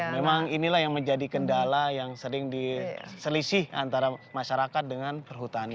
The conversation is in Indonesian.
memang inilah yang menjadi kendala yang sering diselisih antara masyarakat dengan perhutani